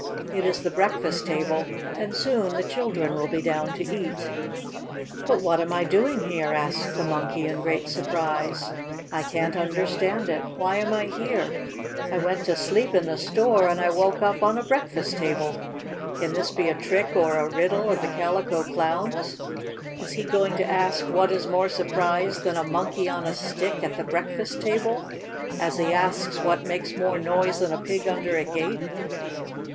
It is the breakfast table, and soon the children will be down to eat." "But what am I doing here?" asked the Monkey in great surprise. "I can't understand it! Why am I here? I went to sleep in the store, and I woke up on a breakfast table. Can this be a trick or a riddle of the Calico Clown's? Is he going to ask what is more surprised than a Monkey on a Stick at the breakfast table, as he asks what makes more noise than a pig under a gate?"